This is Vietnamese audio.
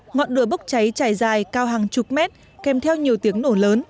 ngọn đùa bốc cháy chảy dài cao hàng chục mét kèm theo nhiều tiếng nổ lớn